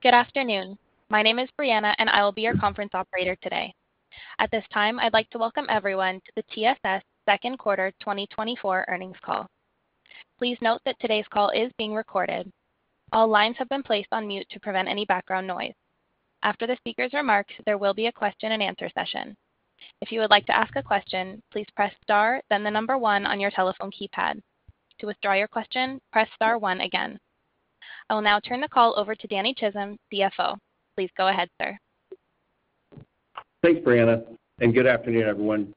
Good afternoon. My name is Brianna, and I will be your conference operator today. At this time, I'd like to welcome everyone to the TSS second quarter 2024 earnings call. Please note that today's call is being recorded. All lines have been placed on mute to prevent any background noise. After the speaker's remarks, there will be a question-and-answer session. If you would like to ask a question, please press Star, then the number one on your telephone keypad. To withdraw your question, press Star one again. I will now turn the call over to Danny Chisholm, CFO. Please go ahead, sir. Thanks, Brianna, and good afternoon, everyone.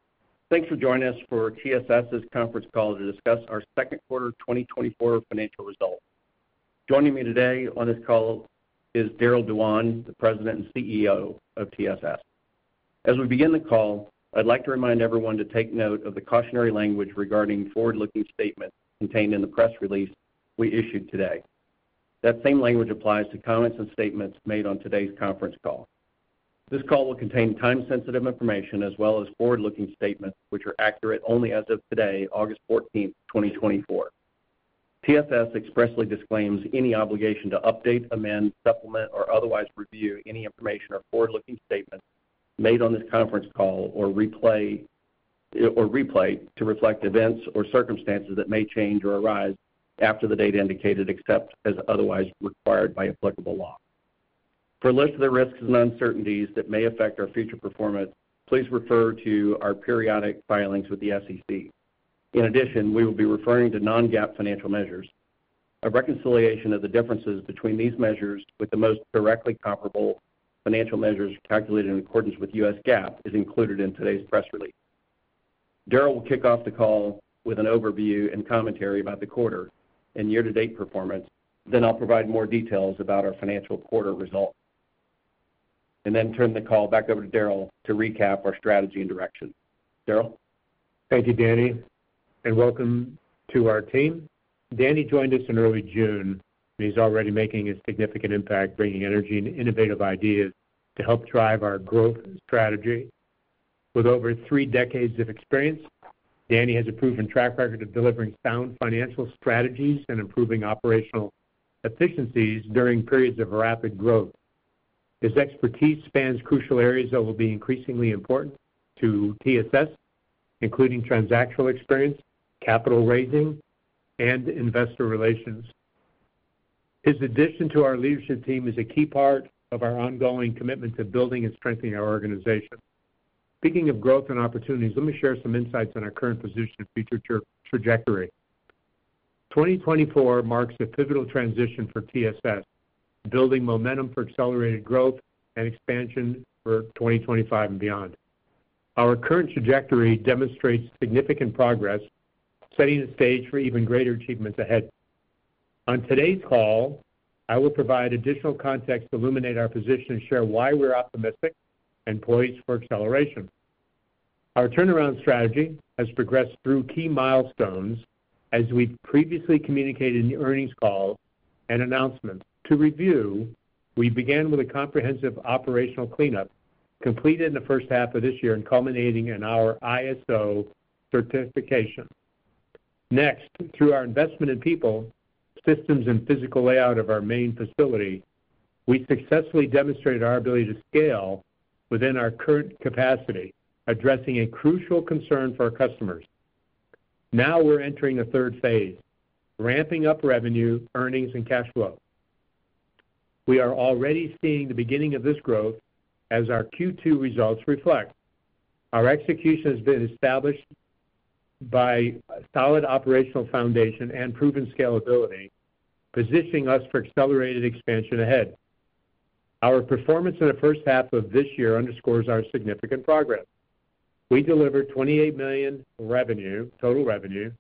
Thanks for joining us for TSS's conference call to discuss our second quarter 2024 financial results. Joining me today on this call is Darryl Dewan, the President and CEO of TSS. As we begin the call, I'd like to remind everyone to take note of the cautionary language regarding forward-looking statements contained in the press release we issued today. That same language applies to comments and statements made on today's conference call. This call will contain time-sensitive information as well as forward-looking statements, which are accurate only as of today, August 14, 2024. TSS expressly disclaims any obligation to update, amend, supplement, or otherwise review any information or forward-looking statements made on this conference call or replay, or replay to reflect events or circumstances that may change or arise after the date indicated, except as otherwise required by applicable law. For a list of the risks and uncertainties that may affect our future performance, please refer to our periodic filings with the SEC. In addition, we will be referring to non-GAAP financial measures. A reconciliation of the differences between these measures with the most directly comparable financial measures calculated in accordance with US GAAP is included in today's press release. Darryl will kick off the call with an overview and commentary about the quarter and year-to-date performance. Then I'll provide more details about our financial quarter results, and then turn the call back over to Darryl to recap our strategy and direction. Darryl? Thank you, Danny, and welcome to our team. Danny joined us in early June, and he's already making a significant impact, bringing energy and innovative ideas to help drive our growth and strategy. With over three decades of experience, Danny has a proven track record of delivering sound financial strategies and improving operational efficiencies during periods of rapid growth. His expertise spans crucial areas that will be increasingly important to TSS, including transactional experience, capital raising, and investor relations. His addition to our leadership team is a key part of our ongoing commitment to building and strengthening our organization. Speaking of growth and opportunities, let me share some insights on our current position and future trajectory. 2024 marks a pivotal transition for TSS, building momentum for accelerated growth and expansion for 2025 and beyond. Our current trajectory demonstrates significant progress, setting the stage for even greater achievements ahead. On today's call, I will provide additional context to illuminate our position and share why we're optimistic and poised for acceleration. Our turnaround strategy has progressed through key milestones, as we previously communicated in the earnings call and announcement. To review, we began with a comprehensive operational cleanup completed in the first half of this year and culminating in our ISO Certification. Next, through our investment in people, systems, and physical layout of our main facility, we successfully demonstrated our ability to scale within our current capacity, addressing a crucial concern for our customers. Now we're entering a third phase, ramping up revenue, earnings, and cash flow. We are already seeing the beginning of this growth as our Q2 results reflect. Our execution has been established by solid operational foundation and proven scalability, positioning us for accelerated expansion ahead. Our performance in the first half of this year underscores our significant progress. We delivered $28 million revenue, total revenue,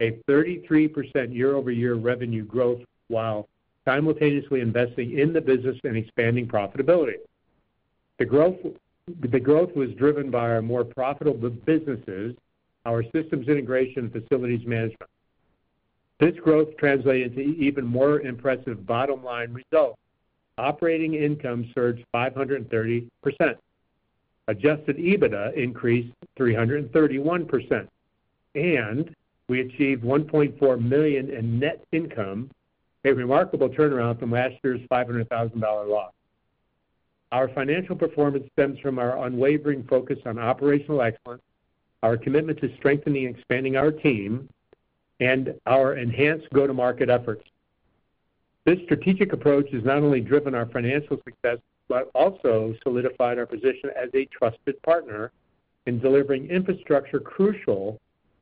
a 33% year-over-year revenue growth, while simultaneously investing in the business and expanding profitability. The growth was driven by our more profitable businesses, our systems integration, and facilities management. This growth translated into even more impressive bottom-line results. Operating income surged 530%, Adjusted EBITDA increased 331%, and we achieved $1.4 million in net income, a remarkable turnaround from last year's $500,000 loss. Our financial performance stems from our unwavering focus on operational excellence, our commitment to strengthening and expanding our team, and our enhanced go-to-market efforts. This strategic approach has not only driven our financial success, but also solidified our position as a trusted partner in delivering infrastructure crucial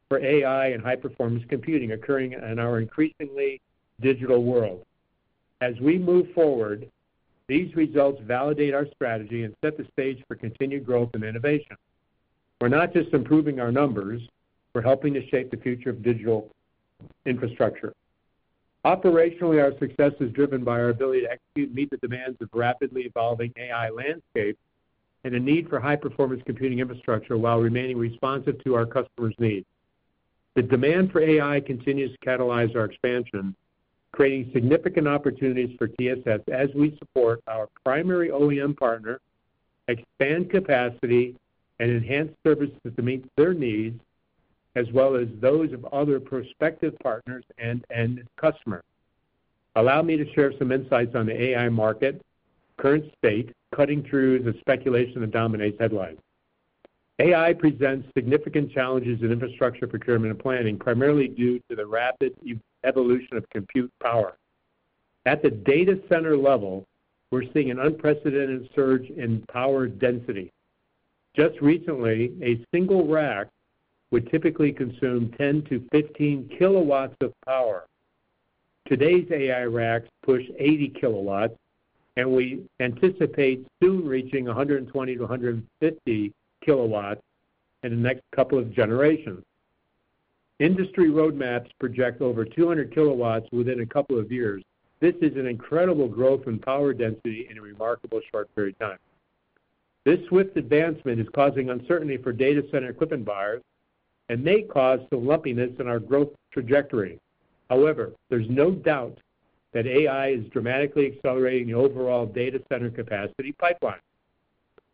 for AI and high-performance computing occurring in our increasingly digital world. As we move forward, these results validate our strategy and set the stage for continued growth and innovation. We're not just improving our numbers, we're helping to shape the future of digital infrastructure. Operationally, our success is driven by our ability to execute and meet the demands of rapidly evolving AI landscape and the need for high-performance computing infrastructure while remaining responsive to our customers' needs. The demand for AI continues to catalyze our expansion, creating significant opportunities for TSS as we support our primary OEM partner, expand capacity, and enhance services to meet their needs as well as those of other prospective partners and end customer. Allow me to share some insights on the AI market, current state, cutting through the speculation that dominates headlines. AI presents significant challenges in infrastructure procurement and planning, primarily due to the rapid evolution of compute power. At the data center level, we're seeing an unprecedented surge in power density. Just recently, a single rack would typically consume 10-15 kW of power. Today's AI racks push 80 kW, and we anticipate soon reaching 120-150 kW in the next couple of generations. Industry roadmaps project over 200 kW within a couple of years. This is an incredible growth in power density in a remarkable short period of time. This swift advancement is causing uncertainty for data center equipment buyers and may cause some lumpiness in our growth trajectory. However, there's no doubt that AI is dramatically accelerating the overall data center capacity pipeline.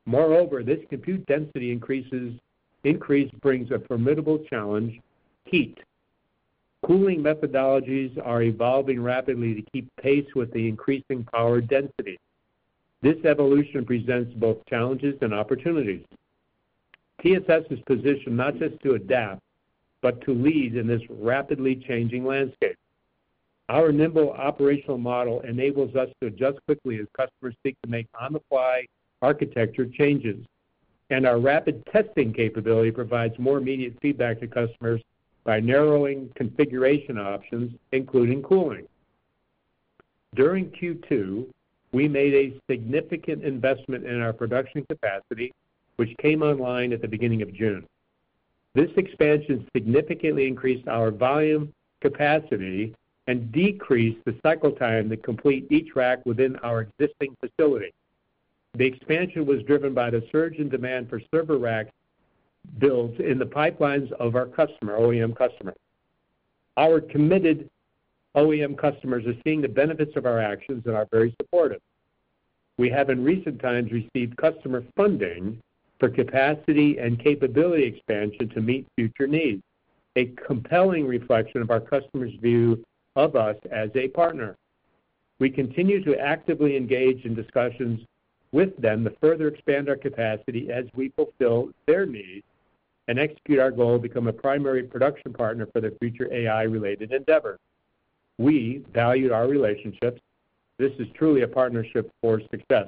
Moreover, this compute density increase brings a formidable challenge: heat. Cooling methodologies are evolving rapidly to keep pace with the increasing power density. This evolution presents both challenges and opportunities. TSS is positioned not just to adapt, but to lead in this rapidly changing landscape. Our nimble operational model enables us to adjust quickly as customers seek to make on-the-fly architecture changes, and our rapid testing capability provides more immediate feedback to customers by narrowing configuration options, including cooling. During Q2, we made a significant investment in our production capacity, which came online at the beginning of June. This expansion significantly increased our volume, capacity, and decreased the cycle time to complete each rack within our existing facility. The expansion was driven by the surge in demand for server rack builds in the pipelines of our customer, OEM customer. Our committed OEM customers are seeing the benefits of our actions and are very supportive. We have, in recent times, received customer funding for capacity and capability expansion to meet future needs, a compelling reflection of our customers' view of us as a partner. We continue to actively engage in discussions with them to further expand our capacity as we fulfill their needs and execute our goal to become a primary production partner for their future AI-related endeavor. We value our relationships. This is truly a partnership for success.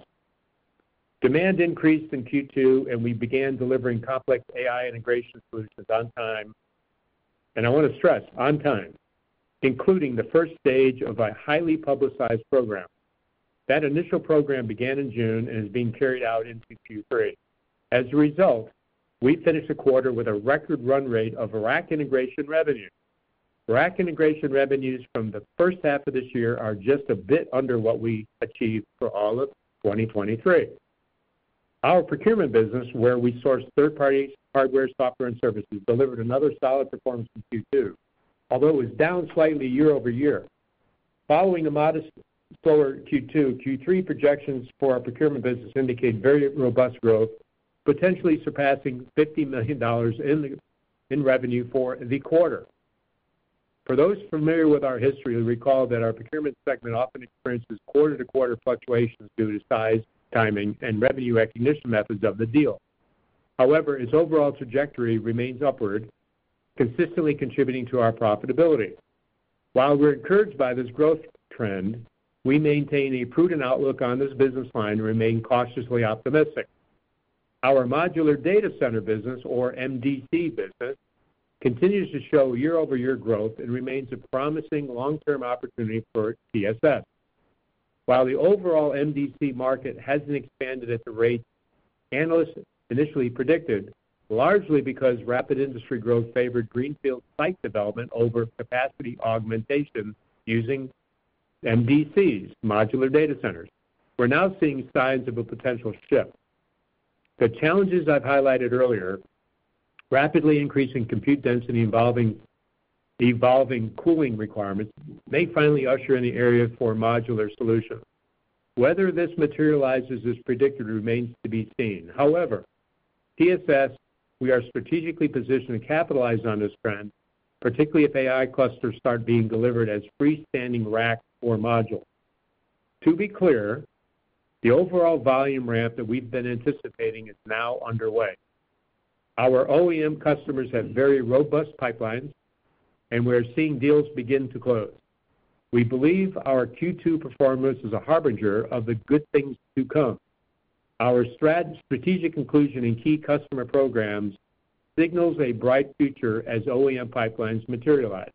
Demand increased in Q2, and we began delivering complex AI integration solutions on time, and I want to stress, on time, including the first stage of a highly publicized program. That initial program began in June and is being carried out into Q3. As a result, we finished the quarter with a record run rate of rack integration revenue. Rack integration revenues from the first half of this year are just a bit under what we achieved for all of 2023. Our procurement business, where we source third-party hardware, software, and services, delivered another solid performance in Q2, although it was down slightly year-over-year. Following a modest slower Q2, Q3 projections for our procurement business indicate very robust growth, potentially surpassing $50 million in revenue for the quarter. For those familiar with our history, you'll recall that our procurement segment often experiences quarter-to-quarter fluctuations due to size, timing, and revenue recognition methods of the deal. However, its overall trajectory remains upward, consistently contributing to our profitability. While we're encouraged by this growth trend, we maintain a prudent outlook on this business line and remain cautiously optimistic. Our modular data center business, or MDC business, continues to show year-over-year growth and remains a promising long-term opportunity for TSS. While the overall MDC market hasn't expanded at the rate analysts initially predicted, largely because rapid industry growth favored greenfield site development over capacity augmentation using MDCs, modular data centers, we're now seeing signs of a potential shift. The challenges I've highlighted earlier, rapidly increasing compute density involving the evolving cooling requirements, may finally usher in the era for a modular solution. Whether this materializes as predicted remains to be seen. However, TSS, we are strategically positioned to capitalize on this trend, particularly if AI clusters start being delivered as freestanding rack or module. To be clear, the overall volume ramp that we've been anticipating is now underway. Our OEM customers have very robust pipelines, and we are seeing deals begin to close. We believe our Q2 performance is a harbinger of the good things to come. Our strategic inclusion in key customer programs signals a bright future as OEM pipelines materialize.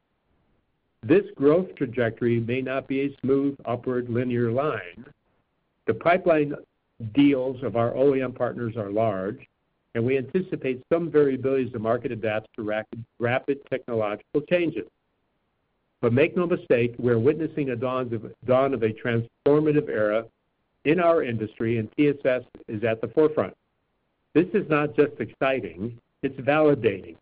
This growth trajectory may not be a smooth, upward, linear line. The pipeline deals of our OEM partners are large, and we anticipate some variabilities as the market adapts to rapid technological changes. But make no mistake, we're witnessing a dawn of a transformative era in our industry, and TSS is at the forefront. This is not just exciting, it's validating.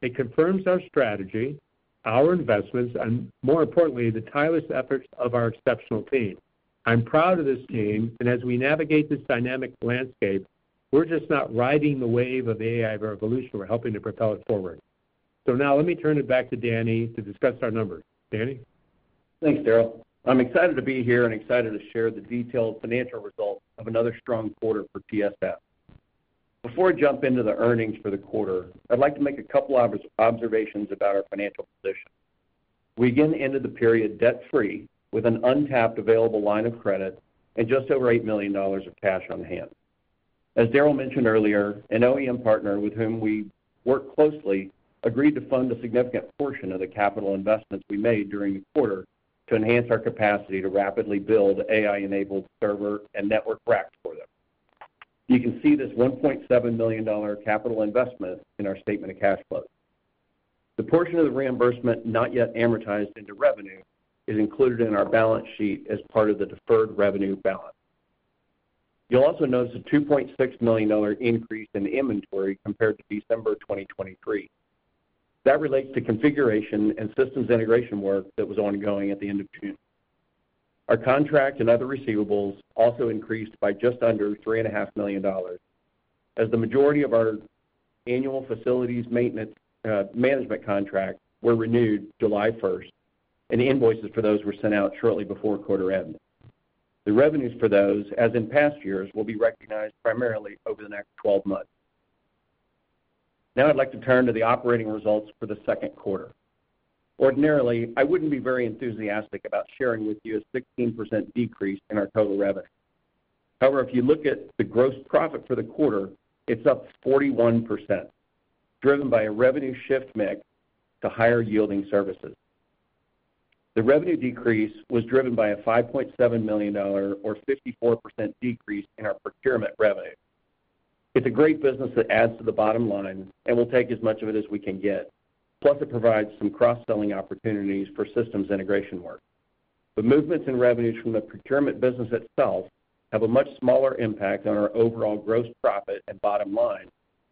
It confirms our strategy, our investments, and more importantly, the tireless efforts of our exceptional team. I'm proud of this team, and as we navigate this dynamic landscape, we're just not riding the wave of AI revolution, we're helping to propel it forward. So now let me turn it back to Danny to discuss our numbers. Danny? Thanks, Darryl. I'm excited to be here and excited to share the detailed financial results of another strong quarter for TSS. Before I jump into the earnings for the quarter, I'd like to make a couple observations about our financial position. We again ended the period debt-free, with an untapped available line of credit and just over $8 million of cash on hand. As Darryl mentioned earlier, an OEM partner with whom we work closely agreed to fund a significant portion of the capital investments we made during the quarter to enhance our capacity to rapidly build AI-enabled server and network racks for them. You can see this $1.7 million capital investment in our statement of cash flow. The portion of the reimbursement not yet amortized into revenue is included in our balance sheet as part of the deferred revenue balance. You'll also notice a $2.6 million increase in inventory compared to December 2023. That relates to configuration and systems integration work that was ongoing at the end of June. Our contract and other receivables also increased by just under $3.5 million, as the majority of our annual facilities maintenance, management contract were renewed July 1st, and the invoices for those were sent out shortly before quarter end. The revenues for those, as in past years, will be recognized primarily over the next 12 months. Now I'd like to turn to the operating results for the second quarter. Ordinarily, I wouldn't be very enthusiastic about sharing with you a 16% decrease in our total revenue. However, if you look at the gross profit for the quarter, it's up 41%, driven by a revenue shift mix to higher-yielding services. The revenue decrease was driven by a $5.7 million or 54% decrease in our procurement revenue. It's a great business that adds to the bottom line, and we'll take as much of it as we can get, plus it provides some cross-selling opportunities for systems integration work. The movements in revenues from the procurement business itself have a much smaller impact on our overall gross profit and bottom line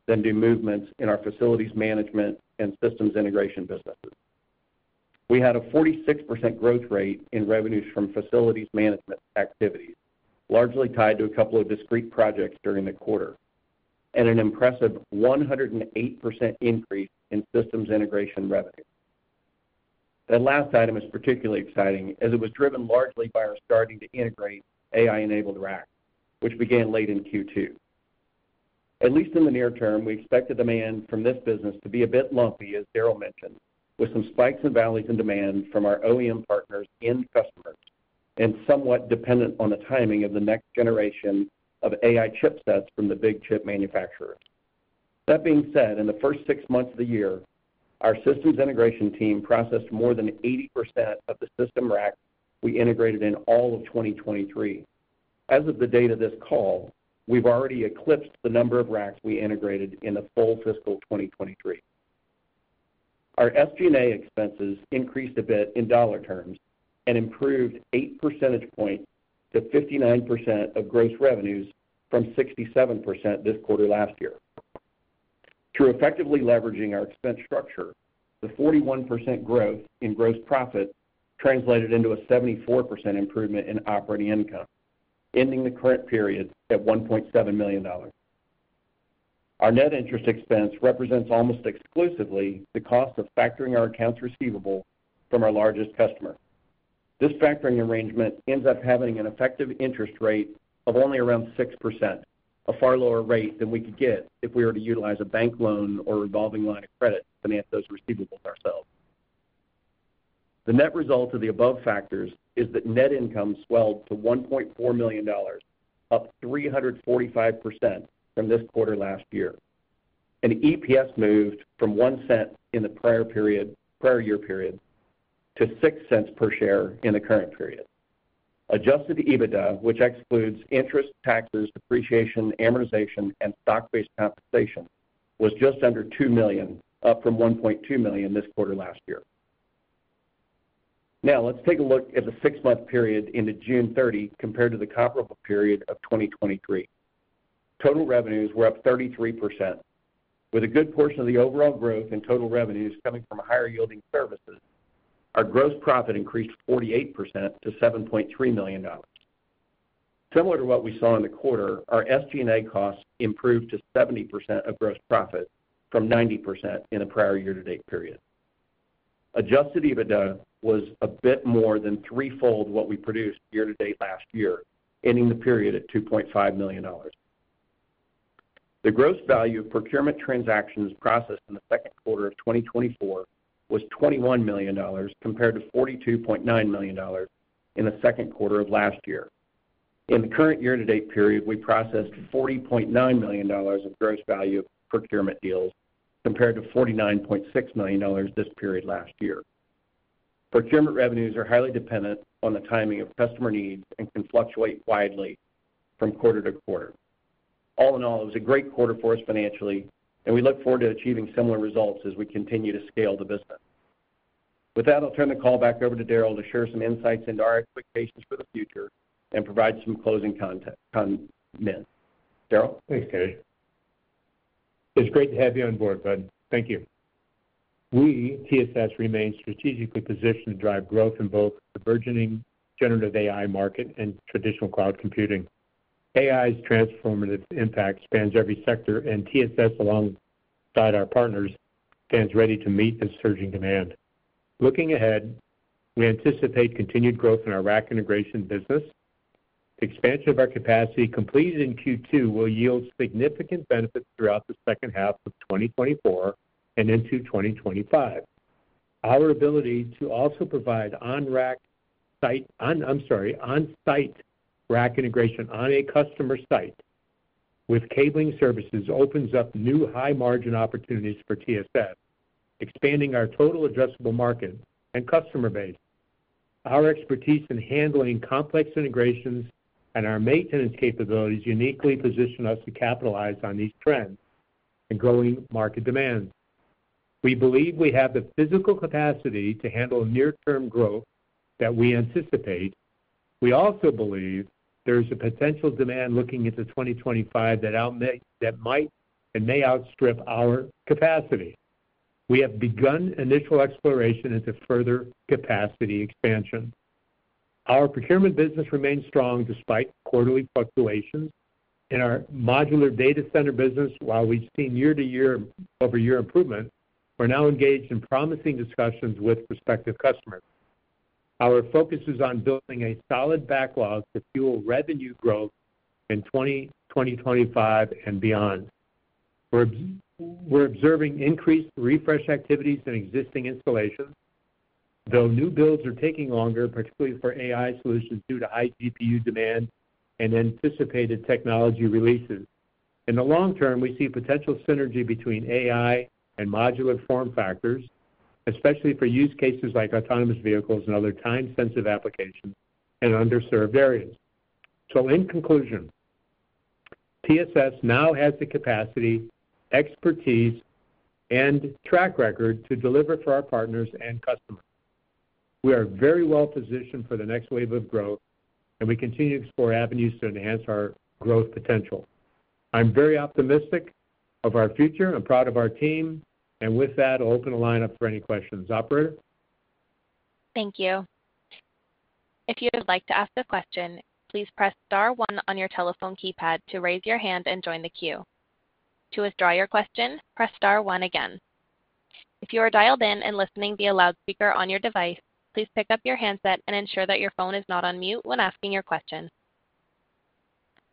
than do movements in our facilities management and systems integration businesses. We had a 46% growth rate in revenues from facilities management activities, largely tied to a couple of discrete projects during the quarter, and an impressive 108% increase in systems integration revenue. That last item is particularly exciting, as it was driven largely by our starting to integrate AI-enabled racks, which began late in Q2. At least in the near term, we expect the demand from this business to be a bit lumpy, as Darryl mentioned, with some spikes and valleys in demand from our OEM partners and customers, and somewhat dependent on the timing of the next generation of AI chipsets from the big chip manufacturers. That being said, in the first six months of the year, our systems integration team processed more than 80% of the system racks we integrated in all of 2023. As of the date of this call, we've already eclipsed the number of racks we integrated in the full fiscal 2023. Our SG&A expenses increased a bit in dollar terms and improved eight percentage points to 59% of gross revenues from 67% this quarter last year. Through effectively leveraging our expense structure, the 41% growth in gross profit translated into a 74% improvement in operating income, ending the current period at $1.7 million. Our net interest expense represents almost exclusively the cost of factoring our accounts receivable from our largest customer. This factoring arrangement ends up having an effective interest rate of only around 6%, a far lower rate than we could get if we were to utilize a bank loan or revolving line of credit to finance those receivables ourselves. The net result of the above factors is that net income swelled to $1.4 million, up 345% from this quarter last year, and EPS moved from one cent in the prior year period, to six cents per share in the current period. Adjusted EBITDA, which excludes interest, taxes, depreciation, amortization, and stock-based compensation, was just under $2 million, up from $1.2 million this quarter last year. Now, let's take a look at the six-month period into June 30 compared to the comparable period of 2023. Total revenues were up 33%, with a good portion of the overall growth in total revenues coming from higher-yielding services. Our gross profit increased 48% to $7.3 million. Similar to what we saw in the quarter, our SG&A costs improved to 70% of gross profit from 90% in the prior year-to-date period. Adjusted EBITDA was a bit more than threefold what we produced year to date last year, ending the period at $2.5 million. The gross value of procurement transactions processed in the second quarter of 2024 was $21 million, compared to $42.9 million in the second quarter of last year. In the current year-to-date period, we processed $40.9 million of gross value of procurement deals, compared to $49.6 million this period last year. Procurement revenues are highly dependent on the timing of customer needs and can fluctuate widely from quarter to quarter. All in all, it was a great quarter for us financially, and we look forward to achieving similar results as we continue to scale the business. With that, I'll turn the call back over to Darryl to share some insights into our expectations for the future and provide some closing comments. Darryl? Thanks, Danny. It's great to have you on board, Bud. Thank you. We, TSS, remain strategically positioned to drive growth in both the burgeoning generative AI market and traditional cloud computing. AI's transformative impact spans every sector, and TSS, alongside our partners, stands ready to meet this surging demand. Looking ahead, we anticipate continued growth in our rack integration business. The expansion of our capacity completed in Q2 will yield significant benefits throughout the second half of 2024 and into 2025. Our ability to also provide on-site rack integration on a customer site with cabling services opens up new high-margin opportunities for TSS, expanding our total addressable market and customer base. Our expertise in handling complex integrations and our maintenance capabilities uniquely position us to capitalize on these trends and growing market demands. We believe we have the physical capacity to handle near-term growth that we anticipate. We also believe there's a potential demand looking into 2025 that might and may outstrip our capacity. We have begun initial exploration into further capacity expansion. Our procurement business remains strong despite quarterly fluctuations. In our modular data center business, while we've seen year-over-year improvement, we're now engaged in promising discussions with prospective customers. Our focus is on building a solid backlog to fuel revenue growth in 2025 and beyond. We're observing increased refresh activities in existing installations, though new builds are taking longer, particularly for AI solutions, due to high GPU demand and anticipated technology releases. In the long term, we see potential synergy between AI and modular form factors, especially for use cases like autonomous vehicles and other time-sensitive applications in underserved areas. In conclusion, TSS now has the capacity, expertise, and track record to deliver for our partners and customers. We are very well positioned for the next wave of growth, and we continue to explore avenues to enhance our growth potential. I'm very optimistic of our future and proud of our team. With that, I'll open the line up for any questions. Operator? Thank you. If you would like to ask a question, please press star one on your telephone keypad to raise your hand and join the queue. To withdraw your question, press star one again. If you are dialed in and listening via loudspeaker on your device, please pick up your handset and ensure that your phone is not on mute when asking your question.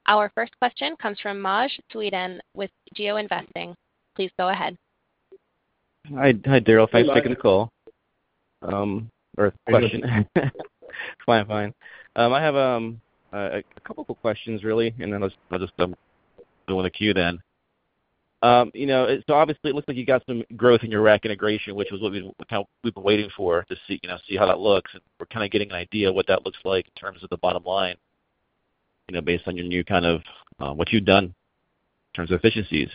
Our first question comes from Maj Soueidan with GeoInvesting. Please go ahead. Hi. Hi, Darryl. Hi. Thanks for taking the call or question. It's fine. I'm fine. I have a couple of questions really, and then I'll just, I'll just go in the queue then. You know, so obviously it looks like you got some growth in your rack integration, which was what we, kind of we've been waiting for to see, you know, see how that looks, and we're kind of getting an idea of what that looks like in terms of the bottom line, you know, based on your new kind of what you've done in terms of efficiencies.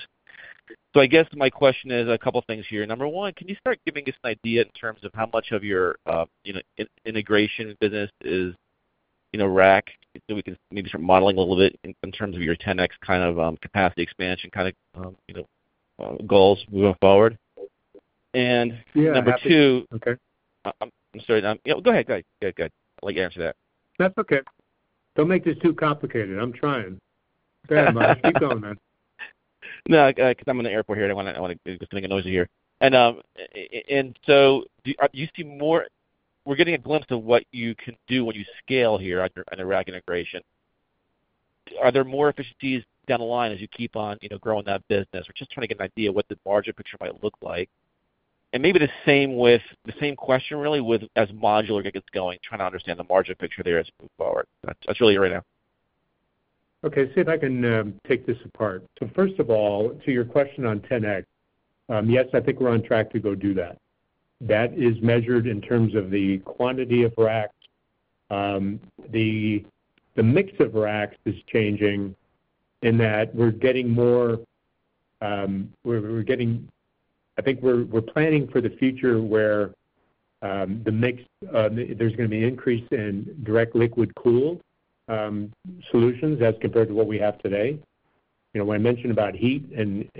So I guess my question is a couple of things here. Number one, can you start giving us an idea in terms of how much of your, you know, integration business is, you know, rack, so we can maybe start modeling a little bit in terms of your 10x kind of capacity expansion, kind of, you know, goals moving forward? Yeah. Number two- Okay. I'm sorry. Go ahead. Go ahead. Good, good. I'd like you to answer that. That's okay. Don't make this too complicated. I'm trying. Go ahead, Maj. Keep going, man. No, because I'm in the airport here, and I wanna, it's getting noisy here. And we're getting a glimpse of what you can do when you scale here on your, on the rack integration. Are there more efficiencies down the line as you keep on, you know, growing that business? We're just trying to get an idea of what the margin picture might look like. And maybe the same question really with as modular gets going, trying to understand the margin picture there as we move forward. That's really it right now. Okay, see if I can take this apart. So first of all, to your question on 10x, yes, I think we're on track to go do that. That is measured in terms of the quantity of racks. The mix of racks is changing in that we're getting more, we're getting-- I think we're planning for the future where the mix, there's gonna be increase in direct liquid cooling solutions as compared to what we have today. You know, when I mentioned about heat and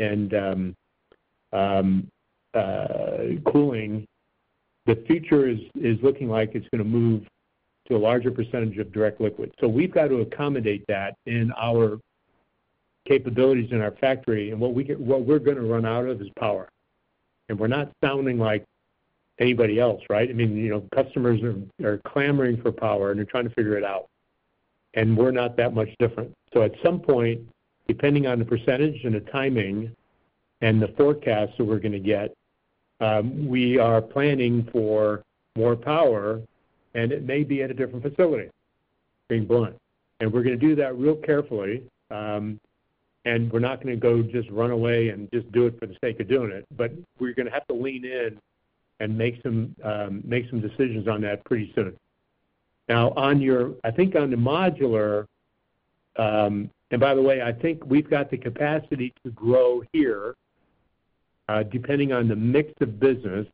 cooling, the future is looking like it's gonna move to a larger percentage of direct liquid. So we've got to accommodate that in our capabilities in our factory, and what we're gonna run out of is power. And we're not sounding like anybody else, right? I mean, you know, customers are clamoring for power, and they're trying to figure it out, and we're not that much different. So at some point, depending on the percentage and the timing and the forecast that we're gonna get, we are planning for more power, and it may be at a different facility, being blunt. And we're gonna do that real carefully, and we're not gonna go just run away and just do it for the sake of doing it, but we're gonna have to lean in and make some decisions on that pretty soon. Now, on your- I think on the modular... And by the way, I think we've got the capacity to grow here.... Depending on the mix of business,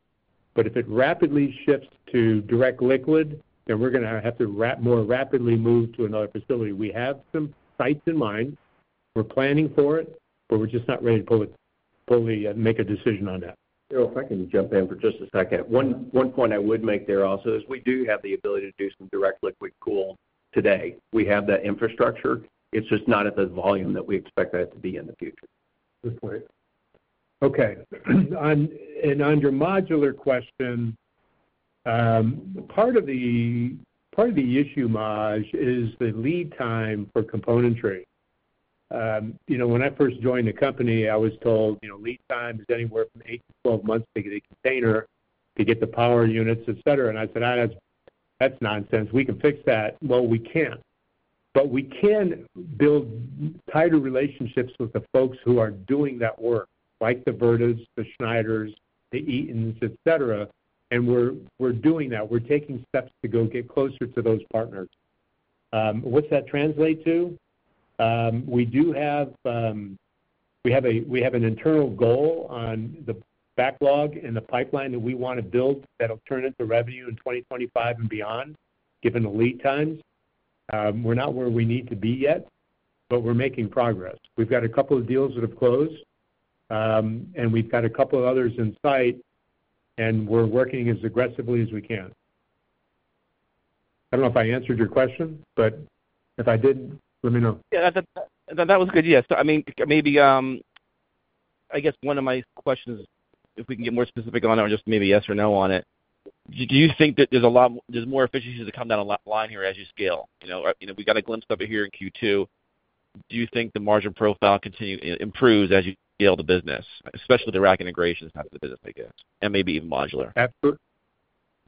but if it rapidly shifts to direct liquid, then we're gonna have to more rapidly move to another facility. We have some sites in mind. We're planning for it, but we're just not ready to fully make a decision on that. Darryl, if I can jump in for just a second. One point I would make there also is we do have the ability to do some direct liquid cooling today. We have that infrastructure. It's just not at the volume that we expect that to be in the future. Good point. Okay, and on your modular question, part of the, part of the issue, Maj, is the lead time for componentry. You know, when I first joined the company, I was told, you know, lead time is anywhere from 8-12 months to get a container, to get the power units, et cetera. And I said, "That is- that's nonsense. We can fix that." Well, we can't. But we can build tighter relationships with the folks who are doing that work, like the Vertivs, the Schneiders, the Eatons, et cetera, and we're, we're doing that. We're taking steps to go get closer to those partners. What's that translate to? We do have, we have an internal goal on the backlog in the pipeline that we wanna build that'll turn into revenue in 2025 and beyond, given the lead times. We're not where we need to be yet, but we're making progress. We've got a couple of deals that have closed, and we've got a couple of others in sight, and we're working as aggressively as we can. I don't know if I answered your question, but if I didn't, let me know. Yeah, that, that was good. Yeah. So I mean, maybe, I guess one of my questions, if we can get more specific on it, or just maybe yes or no on it, do you think that there's a lot, there's more efficiency to come down the line here as you scale? You know, we got a glimpse of it here in Q2. Do you think the margin profile continue... improves as you scale the business, especially the rack integrations type of the business, I guess, and maybe even modular? Absolutely.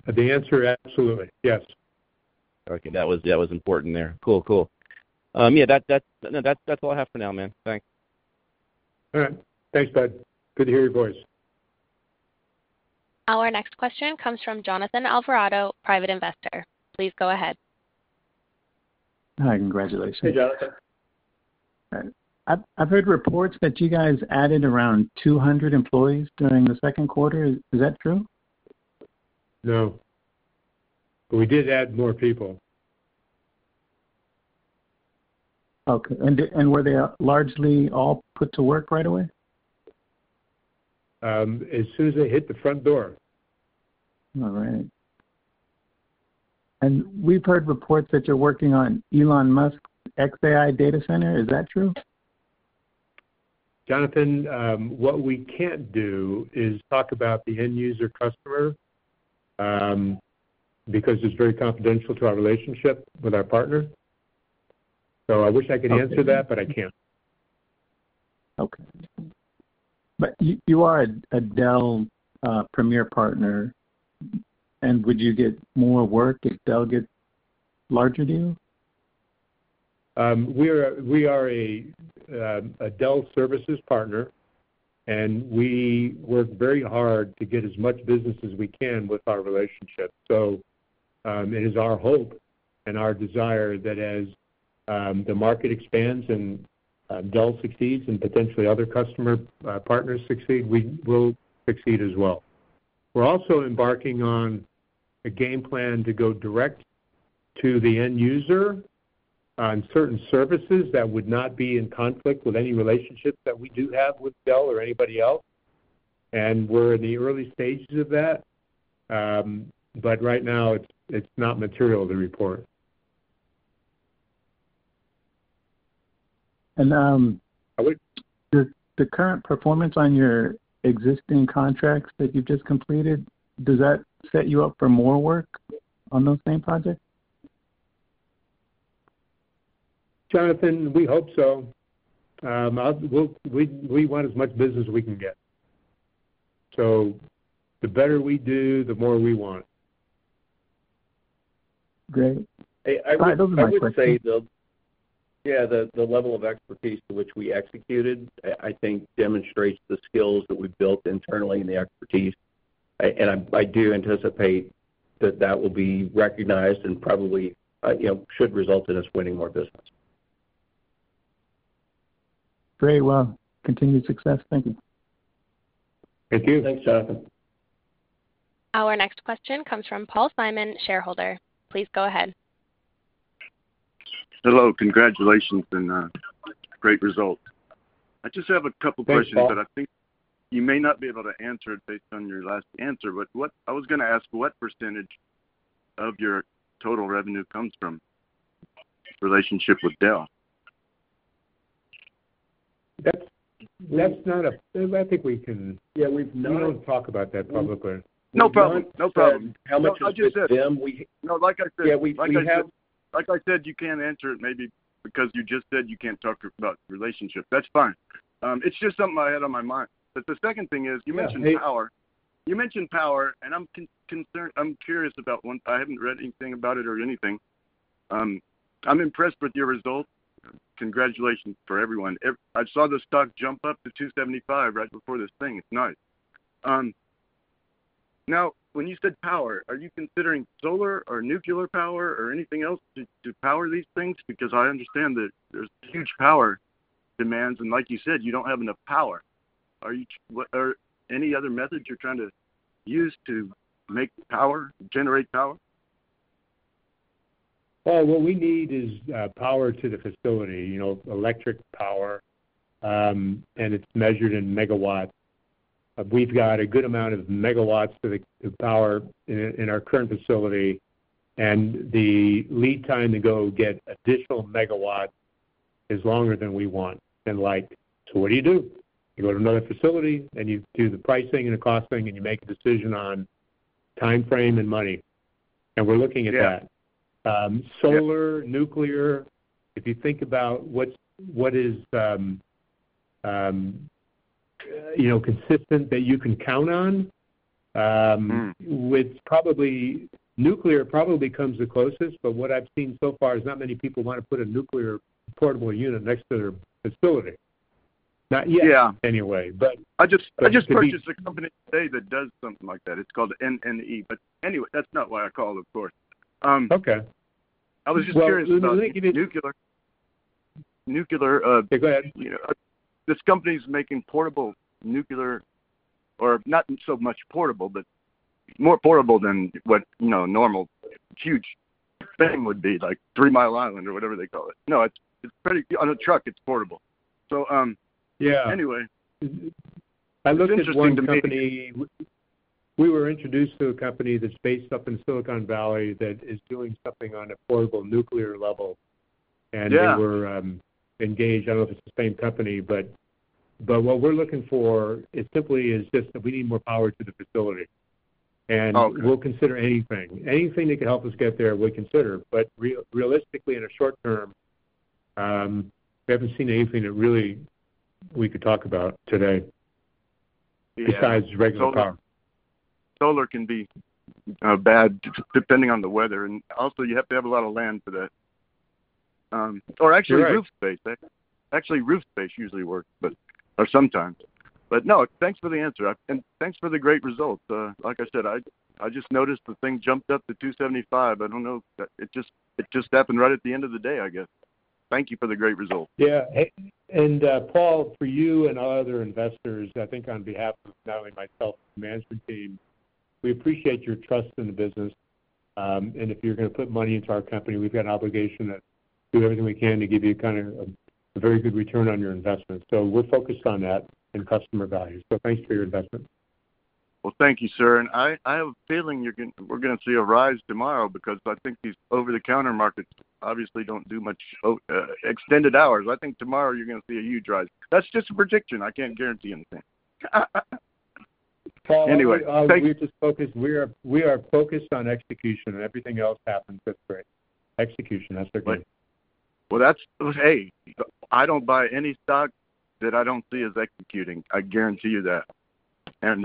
The answer, absolutely. Yes. Okay. That was, that was important there. Cool, cool. Yeah, that, that's all I have for now, man. Thanks. All right. Thanks, Bud. Good to hear your voice. Our next question comes from Jonathan Alvarado, private investor. Please go ahead. Hi, congratulations. Hey, Jonathan. I've heard reports that you guys added around 200 employees during the second quarter. Is that true? No, but we did add more people. Okay. And were they largely all put to work right away? As soon as they hit the front door. All right. And we've heard reports that you're working on Elon Musk's xAI data center. Is that true? Jonathan, what we can't do is talk about the end user customer, because it's very confidential to our relationship with our partner. So I wish I could answer that, but I can't. Okay. But you, you are a Dell premier partner, and would you get more work if Dell get larger deal? We are a Dell services partner, and we work very hard to get as much business as we can with our relationship. So, it is our hope and our desire that as the market expands and Dell succeeds and potentially other customer partners succeed, we will succeed as well. We're also embarking on a game plan to go direct to the end user on certain services that would not be in conflict with any relationships that we do have with Dell or anybody else, and we're in the early stages of that, but right now, it's not material to report. And, um- I would- the current performance on your existing contracts that you've just completed, does that set you up for more work on those same projects? Jonathan, we hope so. We want as much business as we can get. So the better we do, the more we want. Great. I- Those are my questions. I would say, though, yeah, the level of expertise to which we executed, I think demonstrates the skills that we've built internally and the expertise. I do anticipate that that will be recognized and probably, you know, should result in us winning more business. Very well. Continued success. Thank you. Thank you. Thanks, Jonathan. Our next question comes from Paul Simon, shareholder. Please go ahead. Hello, congratulations and great result. I just have a couple questions- Thanks, Paul. But I think you may not be able to answer it based on your last answer. But what... I was gonna ask, what percentage of your total revenue comes from relationship with Dell? That's not a... I think we can- Yeah, we've not- We don't talk about that publicly. No problem. No problem. How much is it them? No, like I said- Yeah, we have- Like I said, you can't answer it maybe because you just said you can't talk about relationships. That's fine. It's just something I had on my mind. But the second thing is, you mentioned power. Yeah, please. You mentioned power, and I'm concerned. I'm curious about one. I haven't read anything about it or anything. I'm impressed with your results. Congratulations for everyone. I saw the stock jump up to $2.75 right before this thing. It's nice. Now, when you said power, are you considering solar or nuclear power or anything else to power these things? Because I understand that there's huge power demands, and like you said, you don't have enough power. Are you—what, are any other methods you're trying to use to make power, generate power? Well, what we need is power to the facility, you know, electric power, and it's measured in megawatts. But we've got a good amount of megawatts to power our current facility, and the lead time to go get additional megawatts is longer than we want. And like, so what do you do? You go to another facility, and you do the pricing and the costing, and you make a decision on timeframe and money. And we're looking at that. Yeah. Solar, nuclear, if you think about what's, what is, you know, consistent that you can count on, Mm. which probably, nuclear probably comes the closest, but what I've seen so far is not many people want to put a nuclear portable unit next to their facility. Not yet. Yeah -anyway, but- I just purchased a company today that does something like that. It's called NNE. But anyway, that's not why I called, of course. Okay. I was just curious about nuclear. Go ahead. This company's making portable nuclear, or not so much portable, but more portable than what, you know, normal, huge thing would be, like Three Mile Island or whatever they call it. No, it's, it's pretty... On a truck, it's portable. So, Yeah. Anyway, it's interesting to me- I looked at one company. We were introduced to a company that's based up in Silicon Valley that is doing something on a portable nuclear level. Yeah. We were engaged. I don't know if it's the same company, but what we're looking for is simply is just that we need more power to the facility. Okay. We'll consider anything. Anything that could help us get there, we'll consider. But realistically, in a short term, we haven't seen anything that really we could talk about today. Yeah... besides regular power. Solar can be bad, depending on the weather, and also you have to have a lot of land for that. Or actually- Right... roof space. Actually, roof space usually work, but, or sometimes. But no, thanks for the answer, and thanks for the great results. Like I said, I just noticed the thing jumped up to $2.75. I don't know, but it just happened right at the end of the day, I guess. Thank you for the great result. Yeah. And, Paul, for you and all other investors, I think on behalf of Dave and myself, the management team, we appreciate your trust in the business. And if you're gonna put money into our company, we've got an obligation to do everything we can to give you kind of a very good return on your investment. So we're focused on that and customer value. So thanks for your investment. Well, thank you, sir. I, I have a feeling you're gonna, we're gonna see a rise tomorrow because I think these over-the-counter markets obviously don't do much, extended hours. I think tomorrow you're gonna see a huge rise. That's just a prediction. I can't guarantee anything. Anyway, thank you. Paul, we're just focused... We are, we are focused on execution, and everything else happens, that's great. Execution, that's the key. Right. Well, that's—hey, I don't buy any stock that I don't see as executing. I guarantee you that. And,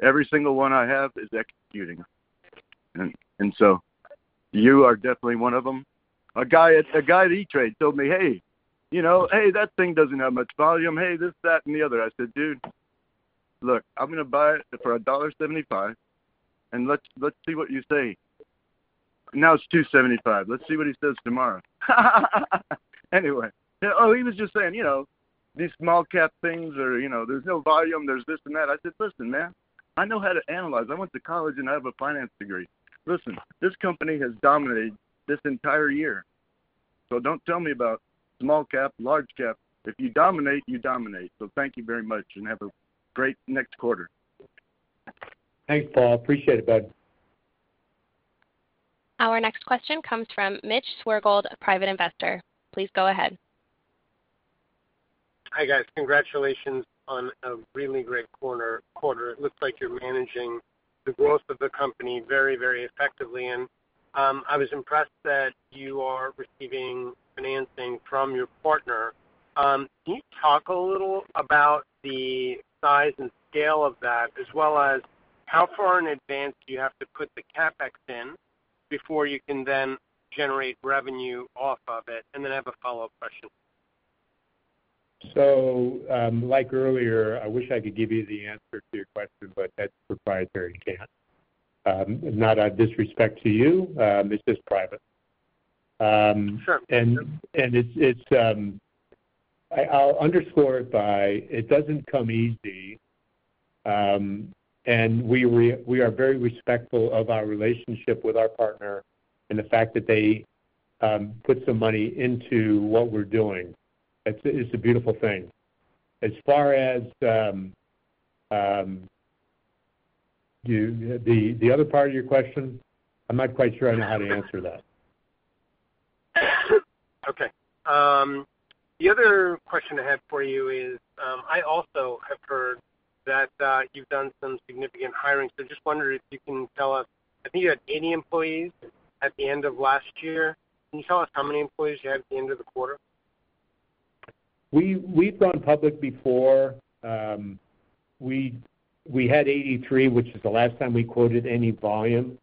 every single one I have is executing. And so you are definitely one of them. A guy at E*TRADE told me, "Hey, you know, hey, that thing doesn't have much volume. Hey, this, that, and the other." I said, "Dude, look, I'm gonna buy it for $1.75, and let's see what you say." Now it's $2.75. Let's see what he says tomorrow. Anyway, he was just saying, you know, "These small cap things are, you know, there's no volume, there's this and that." I said: Listen, man, I know how to analyze. I went to college, and I have a finance degree. Listen, this company has dominated this entire year, so don't tell me about small cap, large cap. If you dominate, you dominate. Thank you very much, and have a great next quarter. Thanks, Paul. Appreciate it, bud. Our next question comes from Mitch Swergold, a private investor. Please go ahead. Hi, guys. Congratulations on a really great quarter. It looks like you're managing the growth of the company very, very effectively, and I was impressed that you are receiving financing from your partner. Can you talk a little about the size and scale of that, as well as how far in advance do you have to put the CapEx in before you can then generate revenue off of it? And then I have a follow-up question. Like earlier, I wish I could give you the answer to your question, but that's proprietary, I can't. Not out of disrespect to you, it's just private. Sure. And it's, I'll underscore it by, it doesn't come easy, and we are very respectful of our relationship with our partner and the fact that they put some money into what we're doing. It's a beautiful thing. As far as you, the other part of your question, I'm not quite sure I know how to answer that. Okay. The other question I had for you is, I also have heard that, you've done some significant hiring, so just wondering if you can tell us, I think you had 80 employees at the end of last year. Can you tell us how many employees you had at the end of the quarter? We've gone public before. We had 198, which is the last time we quoted any volume.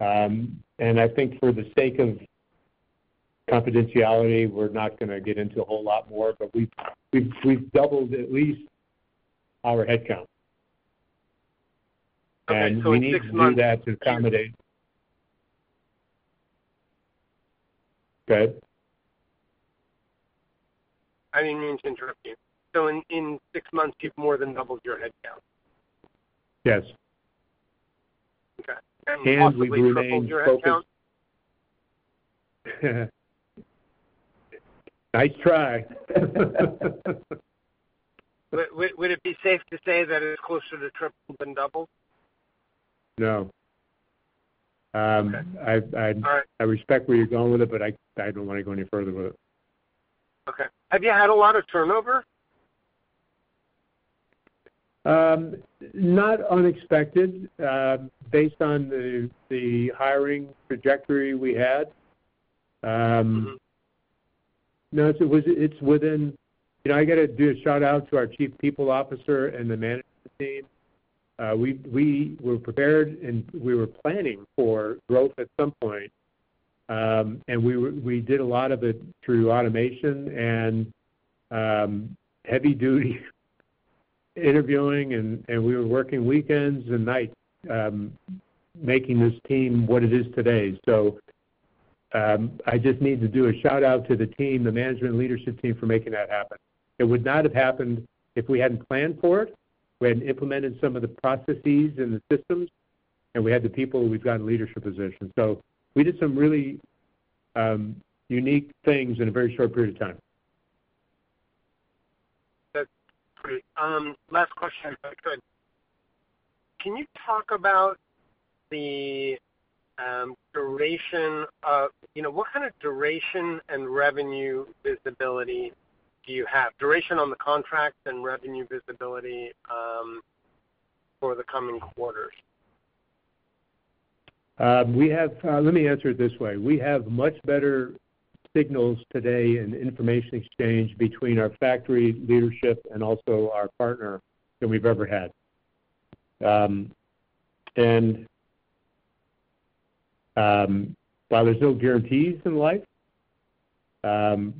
I think for the sake of confidentiality, we're not gonna get into a whole lot more, but we've doubled at least our headcount. We need to do that to accommodate- Okay, so in six months- Go ahead. I didn't mean to interrupt you. So in six months, you've more than doubled your headcount? Yes. Okay. We remain focused. Possibly tripled your headcount? I try. Would it be safe to say that it is closer to triple than double? No. Um- Okay. I've, I- All right... I respect where you're going with it, but I, I don't want to go any further with it. Okay. Have you had a lot of turnover? Not unexpected, based on the hiring trajectory we had. Mm-hmm. No, it's within. You know, I gotta do a shout-out to our Chief People Officer and the management team. We were prepared, and we were planning for growth at some point. And we did a lot of it through automation and heavy-duty interviewing, and we were working weekends and nights, making this team what it is today. So, I just need to do a shout-out to the team, the management leadership team, for making that happen. It would not have happened if we hadn't planned for it, we hadn't implemented some of the processes and the systems, and we had the people who we've got in leadership positions. So we did some really unique things in a very short period of time. That's great. Last question. Go ahead. Can you talk about the duration of—you know, what kind of duration and revenue visibility do you have? Duration on the contract and revenue visibility for the coming quarters? We have, let me answer it this way. We have much better signals today and information exchange between our factory leadership and also our partner than we've ever had. While there's no guarantees in life,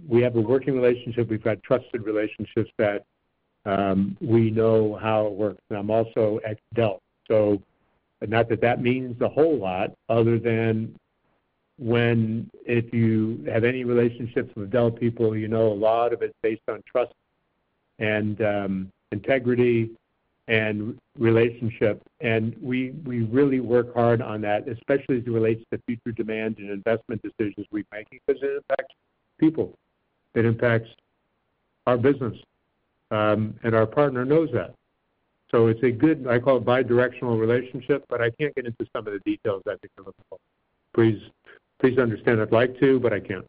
we have a working relationship. We've got trusted relationships that we know how it works. And I'm also at Dell, so not that that means a whole lot other than when if you have any relationships with Dell people, you know a lot of it's based on trust and integrity and relationship. And we, we really work hard on that, especially as it relates to future demand and investment decisions we're making, because it impacts people, it impacts our business, and our partner knows that. So it's a good, I call it, bidirectional relationship, but I can't get into some of the details that come up. Please, please understand I'd like to, but I can't.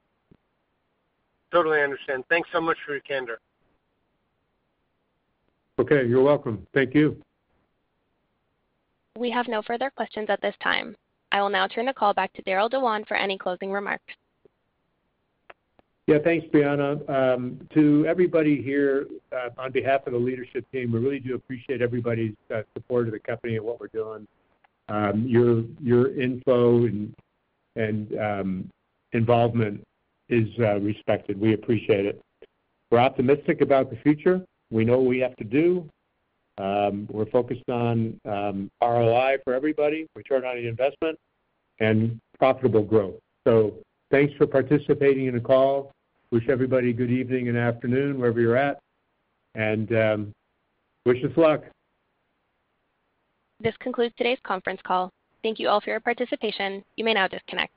Totally understand. Thanks so much for your candor. Okay, you're welcome. Thank you. We have no further questions at this time. I will now turn the call back to Darryll Dewan for any closing remarks. Yeah, thanks, Brianna. To everybody here, on behalf of the leadership team, we really do appreciate everybody's support of the company and what we're doing. Your info and involvement is respected. We appreciate it. We're optimistic about the future. We know what we have to do. We're focused on ROI for everybody, return on investment, and profitable growth. So thanks for participating in the call. Wish everybody a good evening and afternoon, wherever you're at, and wish us luck. This concludes today's conference call. Thank you all for your participation. You may now disconnect.